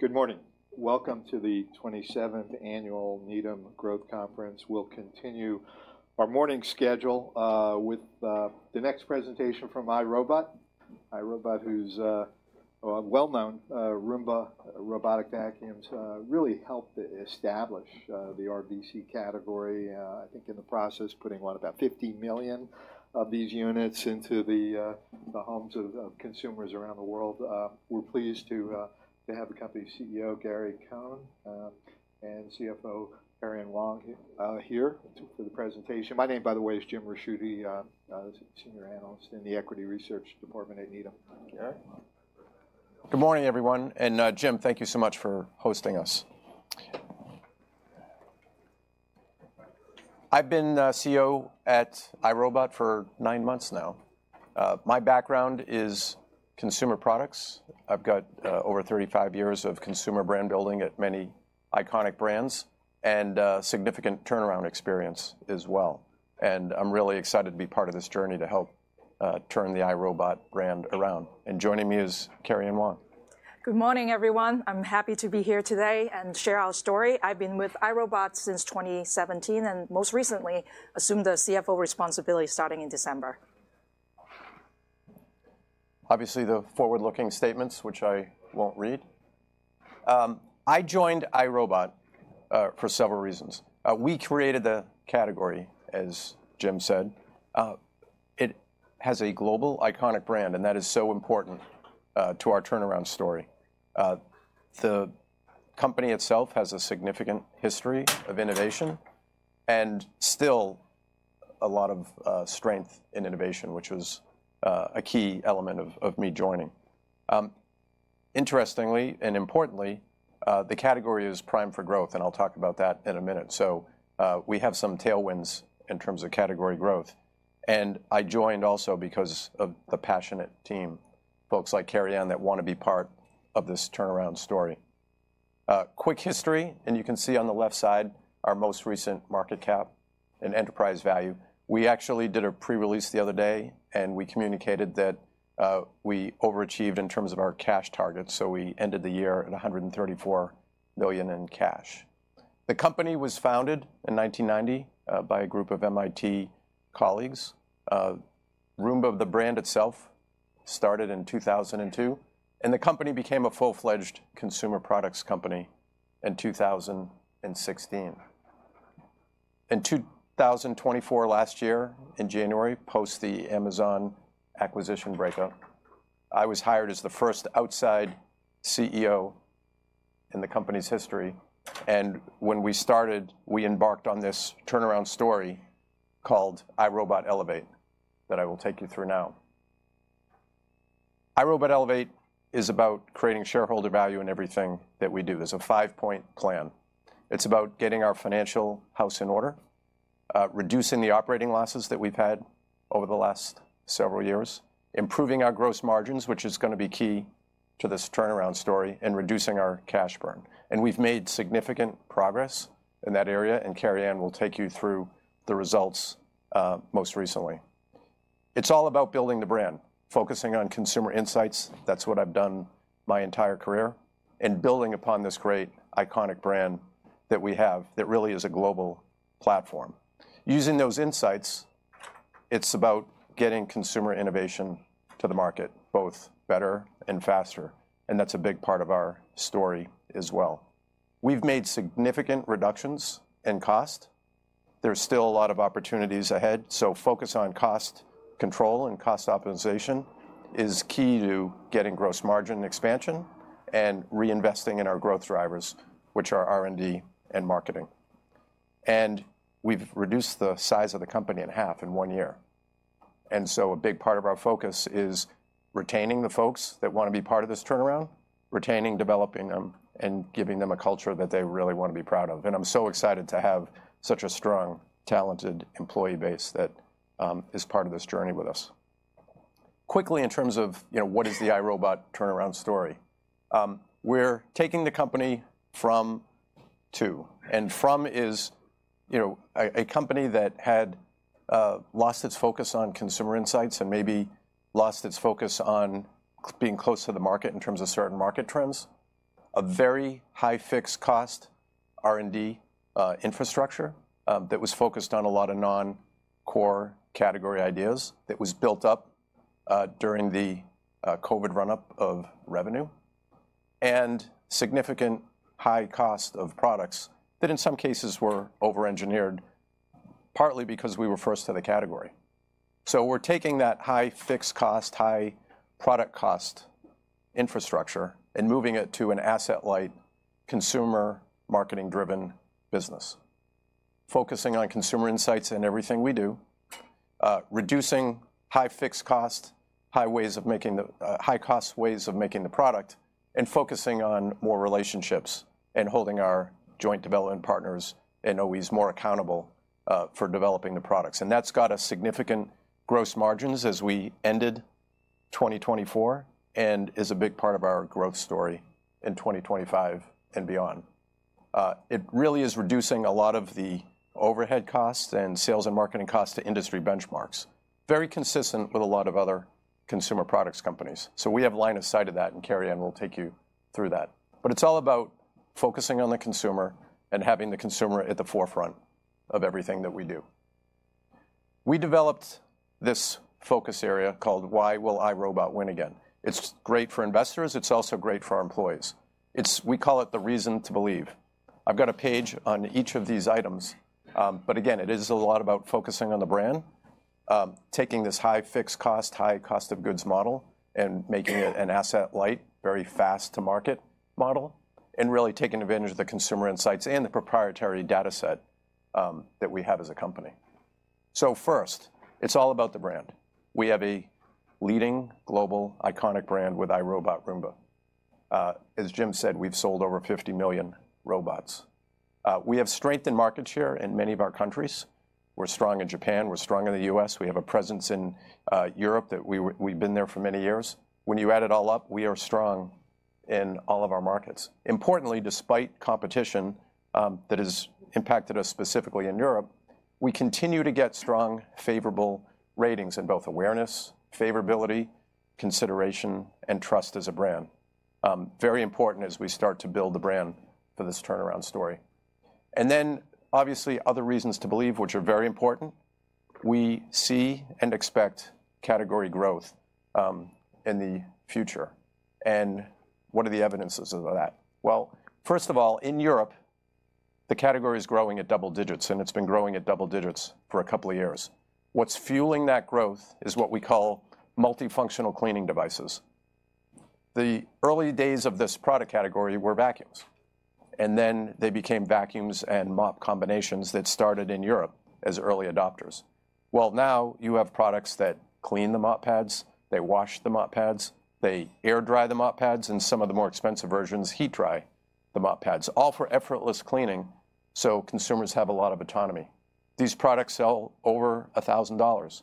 Good morning. Welcome to the 27th Annual Needham Growth Conference. We'll continue our morning schedule with the next presentation from iRobot, iRobot who's well-known. Roomba robotic vacuums really helped establish the RVC category. I think in the process putting what, about 50 million of these units into the homes of consumers around the world. We're pleased to have the company's CEO, Gary Cohen, and CFO, Karian Wong, here for the presentation. My name, by the way, is Jim Ricchiuti, Senior Analyst in the Equity Research Department at Needham. Gary? Good morning, everyone. And Jim, thank you so much for hosting us. I've been CEO at iRobot for nine months now. My background is consumer products. I've got over 35 years of consumer brand building at many iconic brands and significant turnaround experience as well. And I'm really excited to be part of this journey to help turn the iRobot brand around. And joining me is Karian Wong. Good morning, everyone. I'm happy to be here today and share our story. I've been with iRobot since 2017 and most recently assumed the CFO responsibility starting in December. Obviously, the forward-looking statements, which I won't read. I joined iRobot for several reasons. We created the category, as Jim said. It has a global, iconic brand, and that is so important to our turnaround story. The company itself has a significant history of innovation and still a lot of strength in innovation, which was a key element of me joining. Interestingly and importantly, the category is primed for growth, and I'll talk about that in a minute. So we have some tailwinds in terms of category growth. And I joined also because of the passionate team, folks like Karian that want to be part of this turnaround story. Quick history, and you can see on the left side our most recent market cap and enterprise value. We actually did a pre-release the other day, and we communicated that we overachieved in terms of our cash target. We ended the year at $134 million in cash. The company was founded in 1990 by a group of MIT colleagues. Roomba, the brand itself started in 2002, and the company became a full-fledged consumer products company in 2016. In 2024, last year, in January, post the Amazon acquisition breakup, I was hired as the first outside CEO in the company's history. When we started, we embarked on this turnaround story called iRobot Elevate that I will take you through now. iRobot Elevate is about creating shareholder value in everything that we do. There's a five-point plan. It's about getting our financial house in order, reducing the operating losses that we've had over the last several years, improving our gross margins, which is going to be key to this turnaround story, and reducing our cash burn. And we've made significant progress in that area, and Karian will take you through the most recent results. It's all about building the brand, focusing on consumer insights. That's what I've done my entire career, and building upon this great iconic brand that we have that really is a global platform. Using those insights, it's about getting consumer innovation to the market both better and faster. And that's a big part of our story as well. We've made significant reductions in cost. There's still a lot of opportunities ahead, so focus on cost control and cost optimization is key to getting gross margin expansion and reinvesting in our growth drivers, which are R&D and marketing. And we've reduced the size of the company in half in one year. And so a big part of our focus is retaining the folks that want to be part of this turnaround, retaining, developing them, and giving them a culture that they really want to be proud of. And I'm so excited to have such a strong, talented employee base that is part of this journey with us. Quickly, in terms of what is the iRobot turnaround story, we're taking the company from to. And from is a company that had lost its focus on consumer insights and maybe lost its focus on being close to the market in terms of certain market trends, a very high fixed cost R&D infrastructure that was focused on a lot of non-core category ideas that was built up during the COVID run-up of revenue, and significant high cost of products that in some cases were over-engineered, partly because we were first to the category. We're taking that high fixed cost, high product cost infrastructure and moving it to an asset-light consumer marketing-driven business, focusing on consumer insights in everything we do, reducing high fixed cost, high cost ways of making the product, and focusing on more relationships and holding our joint development partners and OEs more accountable for developing the products. That's got us significant gross margins as we ended 2024 and is a big part of our growth story in 2025 and beyond. It really is reducing a lot of the overhead costs and sales and marketing costs to industry benchmarks, very consistent with a lot of other consumer products companies. We have line of sight of that, and Karian will take you through that. It's all about focusing on the consumer and having the consumer at the forefront of everything that we do. We developed this focus area called Why Will iRobot Win Again. It's great for investors. It's also great for our employees. We call it the reason to believe. I've got a page on each of these items. But again, it is a lot about focusing on the brand, taking this high fixed cost, high cost of goods model, and making it an asset-light, very fast-to-market model, and really taking advantage of the consumer insights and the proprietary data set that we have as a company, so first, it's all about the brand. We have a leading global iconic brand with iRobot Roomba. As Jim said, we've sold over 50 million robots. We have strengthened market share in many of our countries. We're strong in Japan. We're strong in the U.S. We have a presence in Europe that we've been there for many years. When you add it all up, we are strong in all of our markets. Importantly, despite competition that has impacted us specifically in Europe, we continue to get strong, favorable ratings in both awareness, favorability, consideration, and trust as a brand. Very important as we start to build the brand for this turnaround story. And then obviously other reasons to believe, which are very important. We see and expect category growth in the future. And what are the evidences of that? Well, first of all, in Europe, the category is growing at double digits, and it's been growing at double digits for a couple of years. What's fueling that growth is what we call multifunctional cleaning devices. The early days of this product category were vacuums. And then they became vacuums and mop combinations that started in Europe as early adopters. Now you have products that clean the mop pads. They wash the mop pads. They air dry the mop pads, and some of the more expensive versions heat dry the mop pads, all for effortless cleaning. Consumers have a lot of autonomy. These products sell over $1,000,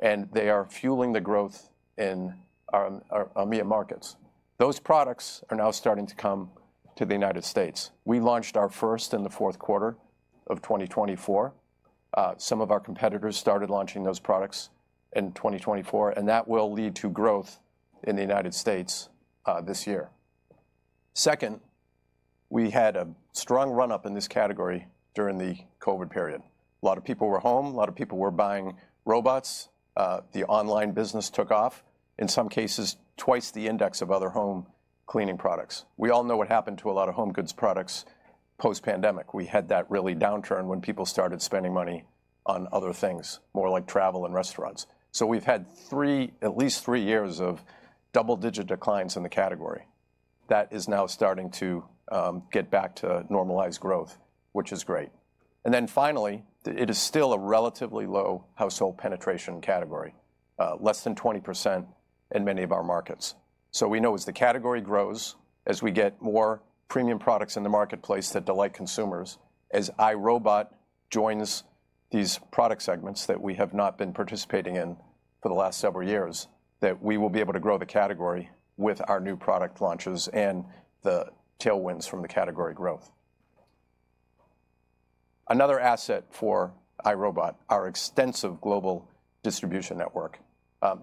and they are fueling the growth in our EMEA markets. Those products are now starting to come to the United States. We launched our first in the fourth quarter of 2024. Some of our competitors started launching those products in 2024, and that will lead to growth in the United States this year. Second, we had a strong run-up in this category during the COVID period. A lot of people were home. A lot of people were buying robots. The online business took off, in some cases twice the index of other home cleaning products. We all know what happened to a lot of home goods products post-pandemic. We had that really downturn when people started spending money on other things, more like travel and restaurants, so we've had three, at least three years of double-digit declines in the category. That is now starting to get back to normalized growth, which is great, and then finally, it is still a relatively low household penetration category, less than 20% in many of our markets, so we know as the category grows, as we get more premium products in the marketplace that delight consumers, as iRobot joins these product segments that we have not been participating in for the last several years, that we will be able to grow the category with our new product launches and the tailwinds from the category growth. Another asset for iRobot is our extensive global distribution network.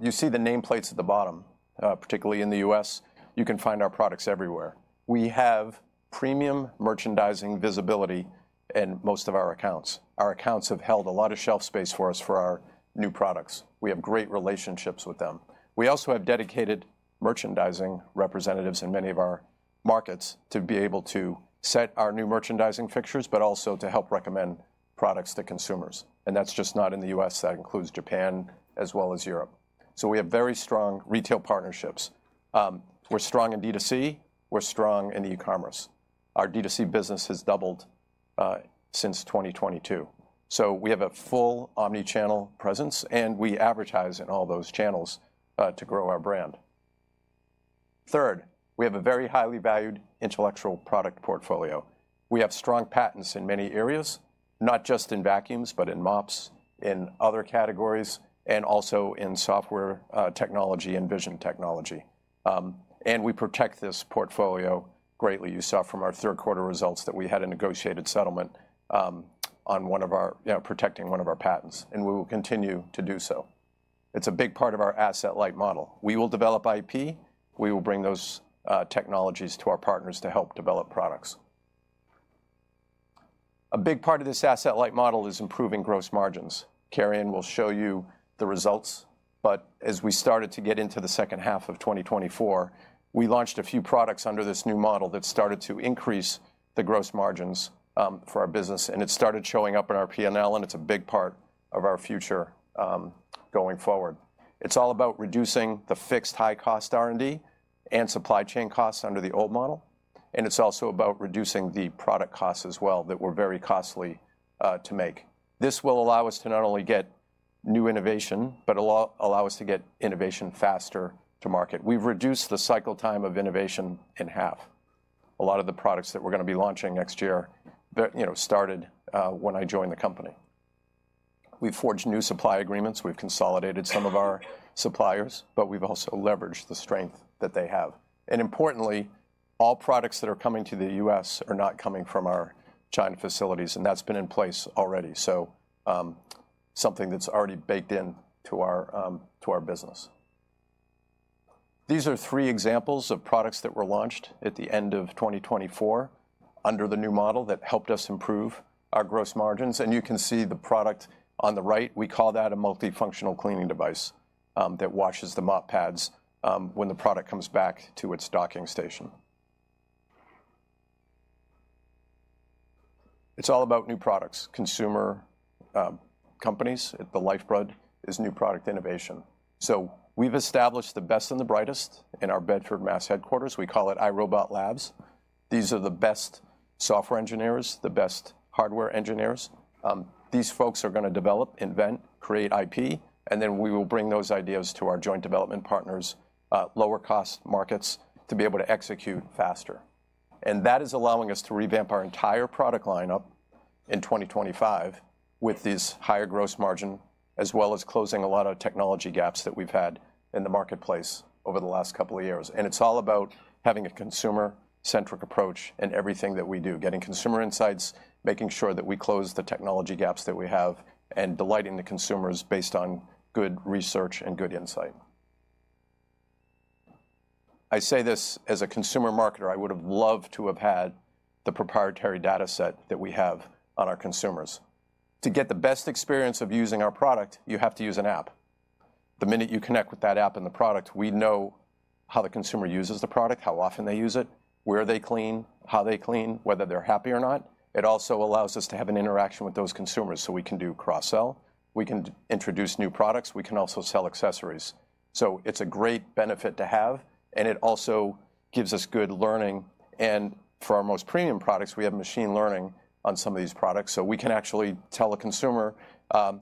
You see the nameplates at the bottom, particularly in the U.S. You can find our products everywhere. We have premium merchandising visibility in most of our accounts. Our accounts have held a lot of shelf space for us for our new products. We have great relationships with them. We also have dedicated merchandising representatives in many of our markets to be able to set our new merchandising fixtures, but also to help recommend products to consumers. And that's just not in the U.S. That includes Japan as well as Europe. So we have very strong retail partnerships. We're strong in D2C. We're strong in e-commerce. Our D2C business has doubled since 2022. So we have a full omnichannel presence, and we advertise in all those channels to grow our brand. Third, we have a very highly valued intellectual property portfolio. We have strong patents in many areas, not just in vacuums, but in mops, in other categories, and also in software technology and vision technology. We protect this portfolio greatly. You saw from our third quarter results that we had a negotiated settlement on one of our patents, and we will continue to do so. It's a big part of our asset-light model. We will develop IP. We will bring those technologies to our partners to help develop products. A big part of this asset-light model is improving gross margins. Karian will show you the results. But as we started to get into the second half of 2024, we launched a few products under this new model that started to increase the gross margins for our business. It started showing up in our P&L, and it's a big part of our future going forward. It's all about reducing the fixed high-cost R&D and supply chain costs under the old model, and it's also about reducing the product costs as well that were very costly to make. This will allow us to not only get new innovation, but allow us to get innovation faster to market. We've reduced the cycle time of innovation in half. A lot of the products that we're going to be launching next year started when I joined the company. We've forged new supply agreements. We've consolidated some of our suppliers, but we've also leveraged the strength that they have, and importantly, all products that are coming to the U.S. are not coming from our China facilities, and that's been in place already, so something that's already baked into our business. These are three examples of products that were launched at the end of 2024 under the new model that helped us improve our gross margins. You can see the product on the right. We call that a multifunctional cleaning device that washes the mop pads when the product comes back to its docking station. It's all about new products. Consumer companies at the lifeblood is new product innovation. We've established the best and the brightest in our Bedford, Massachusetts headquarters. We call it iRobot Labs. These are the best software engineers, the best hardware engineers. These folks are going to develop, invent, create IP, and then we will bring those ideas to our joint development partners, lower-cost markets to be able to execute faster. And that is allowing us to revamp our entire product lineup in 2025 with these higher gross margins, as well as closing a lot of technology gaps that we've had in the marketplace over the last couple of years. And it's all about having a consumer-centric approach in everything that we do, getting consumer insights, making sure that we close the technology gaps that we have, and delighting the consumers based on good research and good insight. I say this as a consumer marketer. I would have loved to have had the proprietary data set that we have on our consumers. To get the best experience of using our product, you have to use an app. The minute you connect with that app and the product, we know how the consumer uses the product, how often they use it, where they clean, how they clean, whether they're happy or not. It also allows us to have an interaction with those consumers so we can do cross-sell. We can introduce new products. We can also sell accessories. So it's a great benefit to have, and it also gives us good learning. And for our most premium products, we have machine learning on some of these products. So we can actually tell a consumer,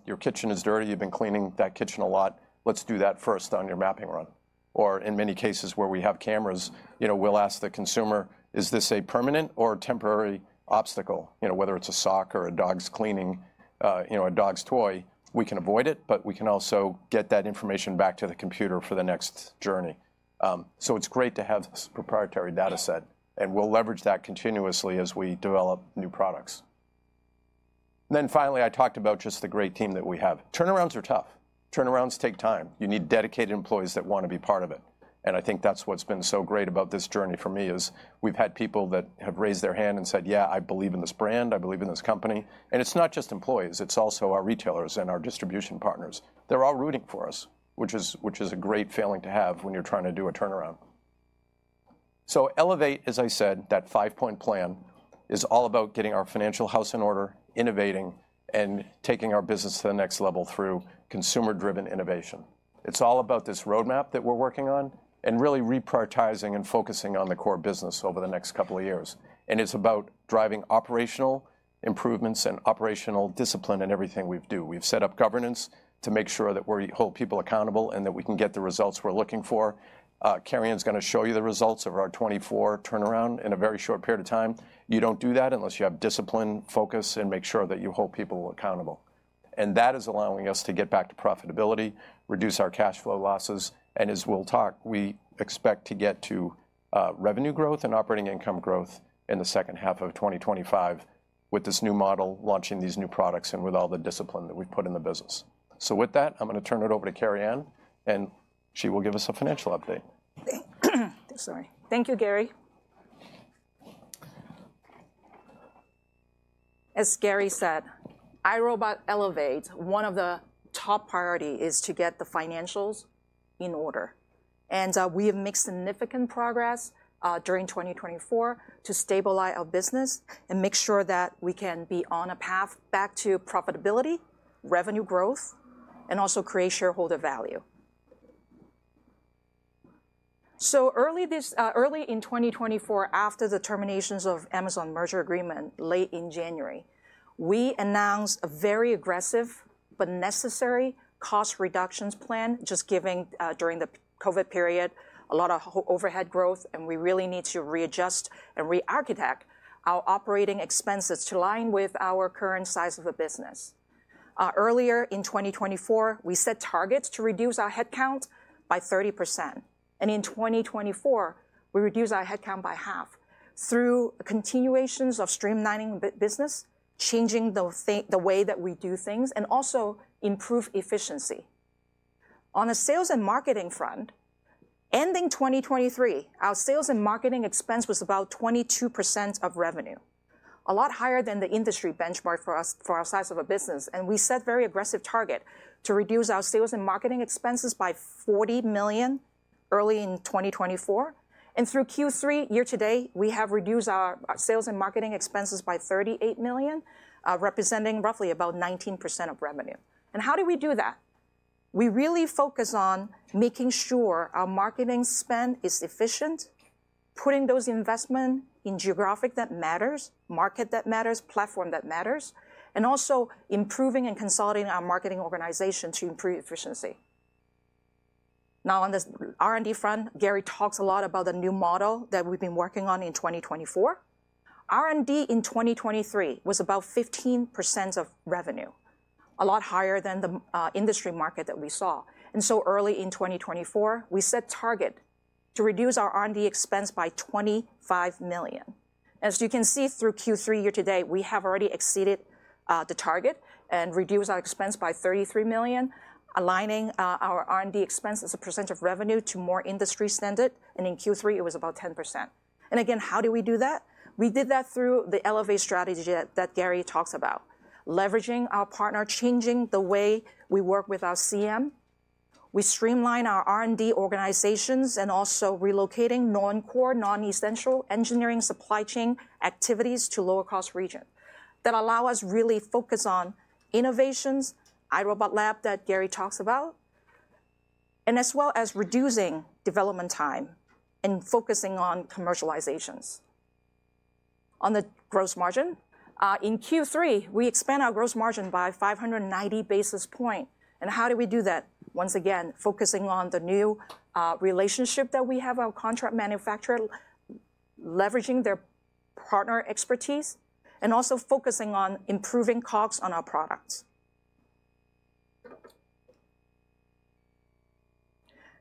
"Your kitchen is dirty. You've been cleaning that kitchen a lot. Let's do that first on your mapping run." Or in many cases where we have cameras, we'll ask the consumer, "Is this a permanent or temporary obstacle?" Whether it's a sock or a dog's toy, we can avoid it, but we can also get that information back to the computer for the next journey. So it's great to have this proprietary data set, and we'll leverage that continuously as we develop new products. Then finally, I talked about just the great team that we have. Turnarounds are tough. Turnarounds take time. You need dedicated employees that want to be part of it, and I think that's what's been so great about this journey for me is we've had people that have raised their hand and said, "Yeah, I believe in this brand. I believe in this company," and it's not just employees. It's also our retailers and our distribution partners. They're all rooting for us, which is a great feeling to have when you're trying to do a turnaround, so Elevate, as I said, that five-point plan is all about getting our financial house in order, innovating, and taking our business to the next level through consumer-driven innovation. It's all about this roadmap that we're working on and really reprioritizing and focusing on the core business over the next couple of years. And it's about driving operational improvements and operational discipline in everything we do. We've set up governance to make sure that we hold people accountable and that we can get the results we're looking for. Karian is going to show you the results of our Elevate turnaround in a very short period of time. You don't do that unless you have discipline, focus, and make sure that you hold people accountable. And that is allowing us to get back to profitability, reduce our cash flow losses. And as we'll talk, we expect to get to revenue growth and operating income growth in the second half of 2025 with this new model, launching these new products and with all the discipline that we've put in the business. So with that, I'm going to turn it over to Karian, and she will give us a financial update. Thank you, Gary. As Gary said, iRobot Elevate, one of the top priorities, is to get the financials in order, and we have made significant progress during 2024 to stabilize our business and make sure that we can be on a path back to profitability, revenue growth, and also create shareholder value. So early in 2024, after the termination of Amazon merger agreement late in January, we announced a very aggressive but necessary cost reduction plan, just given during the COVID period a lot of overhead growth, and we really need to readjust and re-architect our operating expenses to align with our current size of the business. Earlier in 2024, we set targets to reduce our headcount by 30%, and in 2024, we reduce our headcount by half through continuations of streamlining business, changing the way that we do things, and also improve efficiency. On the sales and marketing front, ending 2023, our sales and marketing expense was about 22% of revenue, a lot higher than the industry benchmark for our size of a business. And we set a very aggressive target to reduce our sales and marketing expenses by $40 million early in 2024. And through Q3 year to date, we have reduced our sales and marketing expenses by $38 million, representing roughly about 19% of revenue. And how do we do that? We really focus on making sure our marketing spend is efficient, putting those investments in geographic that matters, market that matters, platform that matters, and also improving and consolidating our marketing organization to improve efficiency. Now, on the R&D front, Gary talks a lot about the new model that we've been working on in 2024. R&D in 2023 was about 15% of revenue, a lot higher than the industry market that we saw. So early in 2024, we set target to reduce our R&D expense by $25 million. As you can see through Q3 year to date, we have already exceeded the target and reduced our expense by $33 million, aligning our R&D expense as a percent of revenue to more industry standard. In Q3, it was about 10%. Again, how do we do that? We did that through the Elevate strategy that Gary talks about, leveraging our partner, changing the way we work with our CM. We streamline our R&D organizations and also relocating non-core, non-essential engineering supply chain activities to lower-cost regions that allow us to really focus on innovations, iRobot Lab that Gary talks about, and as well as reducing development time and focusing on commercializations. On the gross margin, in Q3, we expand our gross margin by 590 basis points. And how do we do that? Once again, focusing on the new relationship that we have with our contract manufacturer, leveraging their partner expertise, and also focusing on improving costs on our products.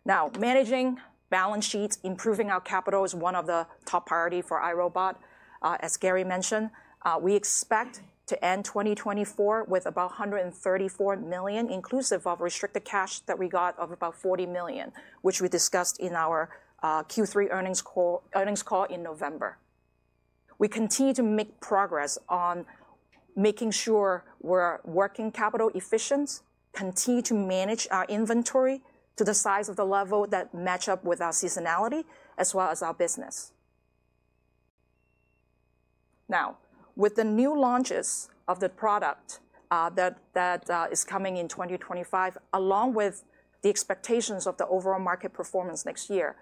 Now, managing balance sheets, improving our capital is one of the top priorities for iRobot. As Gary mentioned, we expect to end 2024 with about $134 million, inclusive of restricted cash that we got of about $40 million, which we discussed in our Q3 earnings call in November. We continue to make progress on making sure we're working capital efficient, continue to manage our inventory to the size of the level that matches up with our seasonality as well as our business. Now, with the new launches of the product that is coming in 2025, along with the expectations of the overall market performance next year,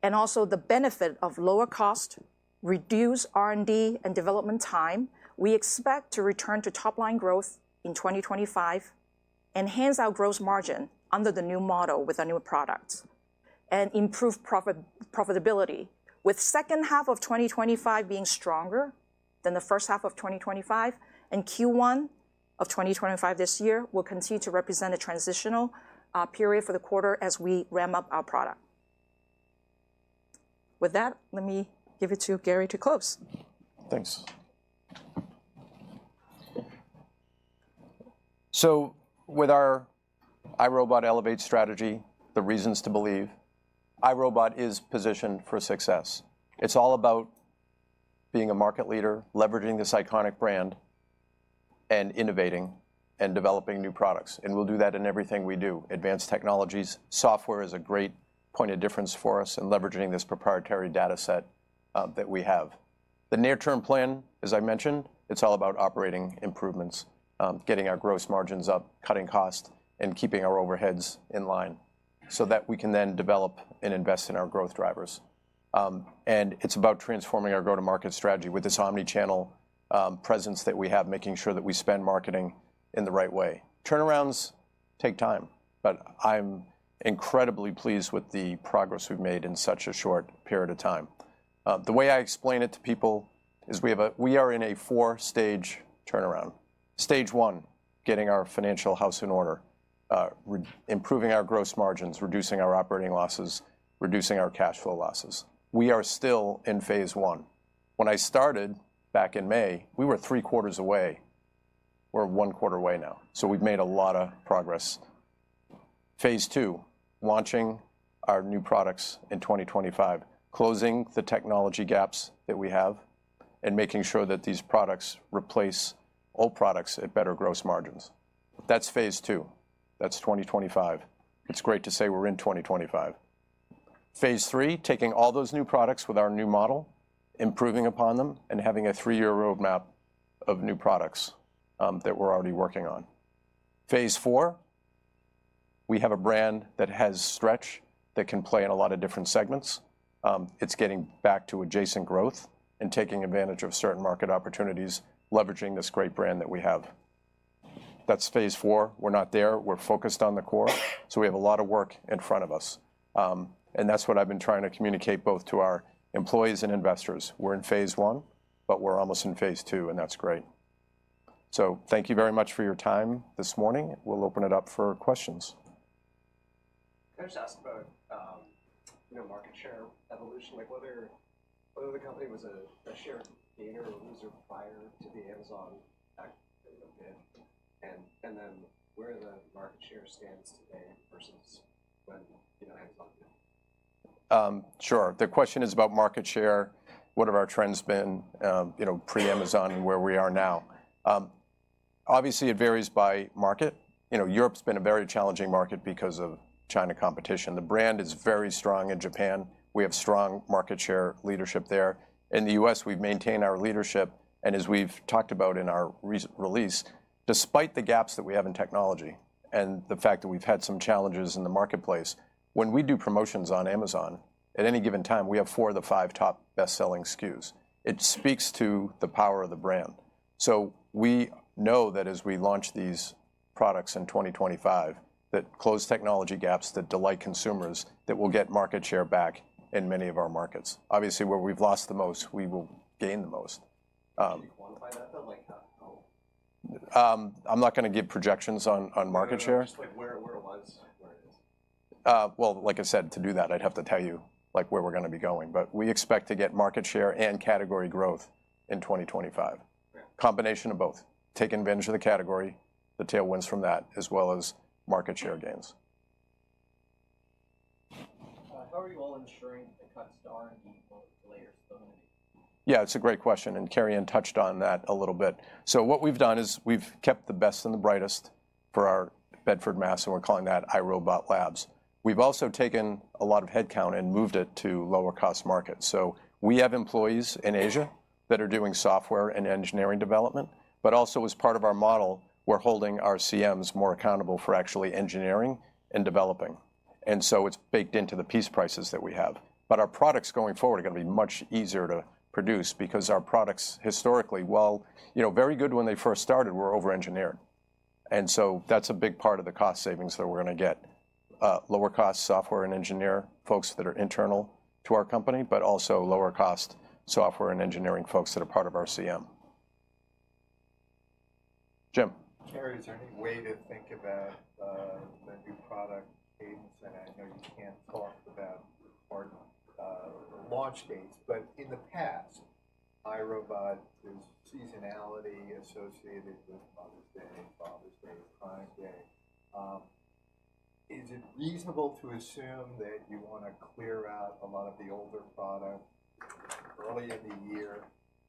and also the benefit of lower cost, reduced R&D and development time, we expect to return to top-line growth in 2025, enhance our gross margin under the new model with our new products, and improve profitability. With the second half of 2025 being stronger than the first half of 2025, and Q1 of 2025 this year will continue to represent a transitional period for the quarter as we ramp up our product. With that, let me give it to Gary to close. Thanks, so with our iRobot Elevate strategy, the reasons to believe, iRobot is positioned for success. It's all about being a market leader, leveraging this iconic brand, and innovating and developing new products, and we'll do that in everything we do. Advanced technologies, software is a great point of difference for us in leveraging this proprietary data set that we have. The near-term plan, as I mentioned, it's all about operating improvements, getting our gross margins up, cutting costs, and keeping our overheads in line so that we can then develop and invest in our growth drivers, and it's about transforming our go-to-market strategy with this omnichannel presence that we have, making sure that we spend marketing in the right way. Turnarounds take time, but I'm incredibly pleased with the progress we've made in such a short period of time. The way I explain it to people is we are in a four-stage turnaround. Stage one, getting our financial house in order, improving our gross margins, reducing our operating losses, reducing our cash flow losses. We are still in phase one. When I started back in May, we were three quarters away. We're one quarter away now. So we've made a lot of progress. Phase two, launching our new products in 2025, closing the technology gaps that we have, and making sure that these products replace old products at better gross margins. That's phase two. That's 2025. It's great to say we're in 2025. Phase three, taking all those new products with our new model, improving upon them, and having a three-year roadmap of new products that we're already working on. Phase four, we have a brand that has stretch that can play in a lot of different segments. It's getting back to adjacent growth and taking advantage of certain market opportunities, leveraging this great brand that we have. That's phase four. We're not there. We're focused on the core. So we have a lot of work in front of us. And that's what I've been trying to communicate both to our employees and investors. We're in phase one, but we're almost in phase two, and that's great. So thank you very much for your time this morning. We'll open it up for questions. Can I just ask about market share evolution, whether the company was a share gainer or a loser prior to the Amazon acquisition, and then where the market share stands today versus when Amazon did? Sure. The question is about market share. What have our trends been pre-Amazon and where we are now? Obviously, it varies by market. Europe's been a very challenging market because of China competition. The brand is very strong in Japan. We have strong market share leadership there. In the U.S., we've maintained our leadership. And as we've talked about in our release, despite the gaps that we have in technology and the fact that we've had some challenges in the marketplace, when we do promotions on Amazon at any given time, we have four of the five top best-selling SKUs. It speaks to the power of the brand. So we know that as we launch these products in 2025, that close technology gaps that delight consumers, that we'll get market share back in many of our markets. Obviously, where we've lost the most, we will gain the most. Can you quantify that though? Like how? I'm not going to give projections on market share. Just where it was, where it is. Like I said, to do that, I'd have to tell you where we're going to be going. We expect to get market share and category growth in 2025, a combination of both. Taking advantage of the category, the tailwinds from that, as well as market share gains. How are you all ensuring that the cuts to R&D for players are still going to be? Yeah, it's a great question, and Karian touched on that a little bit, so what we've done is we've kept the best and the brightest for our Bedford, Massachusetts, and we're calling that iRobot Labs. We've also taken a lot of headcount and moved it to lower-cost markets, so we have employees in Asia that are doing software and engineering development. But also, as part of our model, we're holding our CMs more accountable for actually engineering and developing, and so it's baked into the piece prices that we have. But our products going forward are going to be much easier to produce because our products historically, while very good when they first started, were over-engineered. And so that's a big part of the cost savings that we're going to get: lower-cost software and engineer folks that are internal to our company, but also lower-cost software and engineering folks that are part of our CM. Jim. Gary, is there any way to think about the new product cadence? And I know you can't talk about important launch dates, but in the past, iRobot's seasonality associated with Mother's Day, Father's Day, Prime Day. Is it reasonable to assume that you want to clear out a lot of the older product early in the year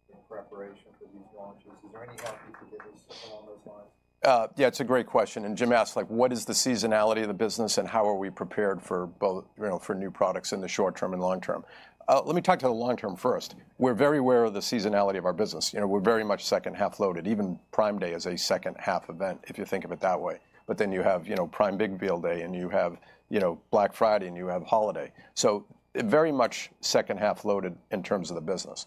in preparation for these launches? Is there any help you could give us on those lines? Yeah, it's a great question, and Jim asked, what is the seasonality of the business and how are we prepared for new products in the short term and long term? Let me talk to the long term first. We're very aware of the seasonality of our business. We're very much second half loaded. Even Prime Day is a second half event, if you think of it that way, but then you have Prime Big Deal Day and you have Black Friday and you have holiday, so very much second half loaded in terms of the business,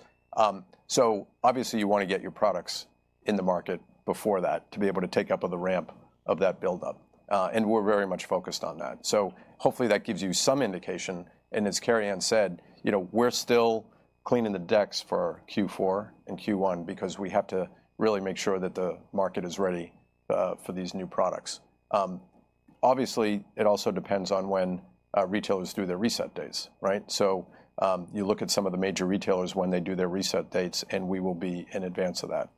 so obviously, you want to get your products in the market before that to be able to take up the ramp of that buildup, and we're very much focused on that, so hopefully that gives you some indication. And as Karian said, we're still clearing the decks for Q4 and Q1 because we have to really make sure that the market is ready for these new products. Obviously, it also depends on when retailers do their reset days, right? So you look at some of the major retailers when they do their reset dates, and we will be in advance of that.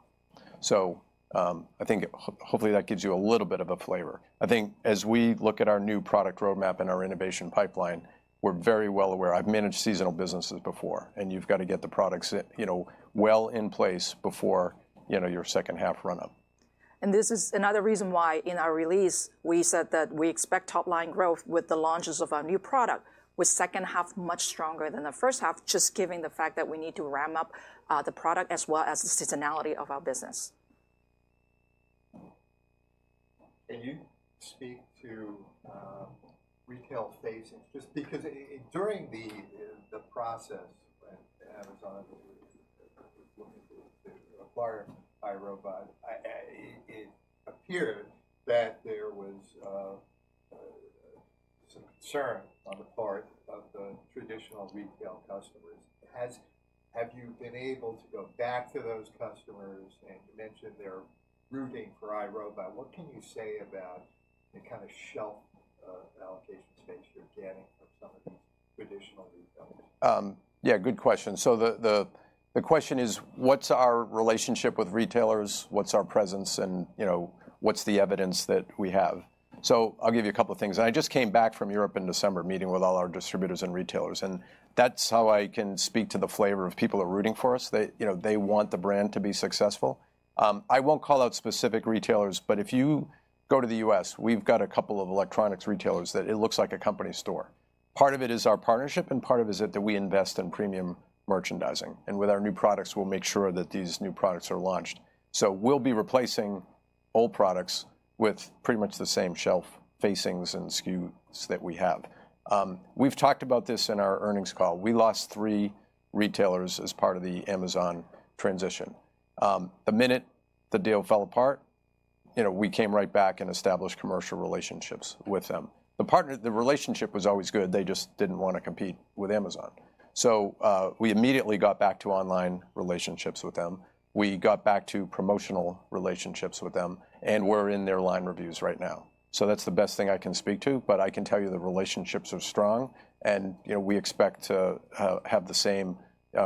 So I think hopefully that gives you a little bit of a flavor. I think as we look at our new product roadmap and our innovation pipeline, we're very well aware. I've managed seasonal businesses before, and you've got to get the products well in place before your second half run-up. This is another reason why in our release, we said that we expect top-line growth with the launches of our new product, with second half much stronger than the first half, just given the fact that we need to ramp up the product as well as the seasonality of our business. Can you speak to retail phasing? Just because during the process when Amazon was looking to acquire iRobot, it appeared that there was some concern on the part of the traditional retail customers. Have you been able to go back to those customers? And you mentioned they're rooting for iRobot. What can you say about the kind of shelf allocation space you're getting from some of these traditional retailers? Yeah, good question. So the question is, what's our relationship with retailers? What's our presence? And what's the evidence that we have? So I'll give you a couple of things. And I just came back from Europe in December, meeting with all our distributors and retailers. And that's how I can speak to the flavor of people that are rooting for us. They want the brand to be successful. I won't call out specific retailers, but if you go to the U.S., we've got a couple of electronics retailers that it looks like a company store. Part of it is our partnership, and part of it is that we invest in premium merchandising. And with our new products, we'll make sure that these new products are launched. So we'll be replacing old products with pretty much the same shelf facings and SKUs that we have. We've talked about this in our earnings call. We lost three retailers as part of the Amazon transition. The minute the deal fell apart, we came right back and established commercial relationships with them. The relationship was always good. They just didn't want to compete with Amazon. So we immediately got back to online relationships with them. We got back to promotional relationships with them, and we're in their line reviews right now. So that's the best thing I can speak to. But I can tell you the relationships are strong, and we expect to have the same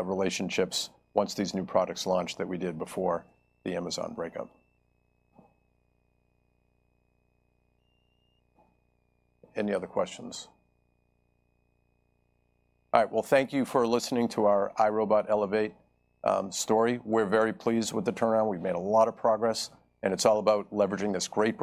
relationships once these new products launch that we did before the Amazon breakup. Any other questions? All right. Well, thank you for listening to our iRobot Elevate story. We're very pleased with the turnaround. We've made a lot of progress, and it's all about leveraging this great.